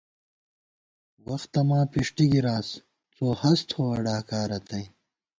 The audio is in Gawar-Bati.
وختہ ماں پِݭٹی گِراس ، څو ہَس تھووَہ ڈاکا رتئ